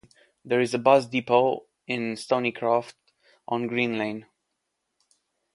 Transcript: There is a bus depot in Stoneycroft on Green Lane.